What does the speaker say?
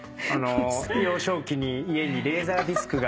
幼少期に家にレーザーディスクが。